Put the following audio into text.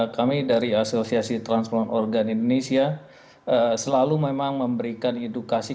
kami dari asosiasi transformasi organ indonesia selalu memang memberikan edukasi